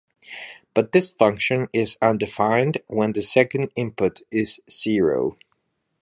But this function is undefined when the second input is zero.